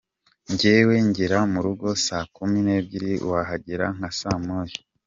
Njyewe ngera mu rugo saa kumi n’ebyiri we ahagera nka saa moya.